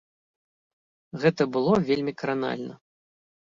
Гэта было вельмі кранальна.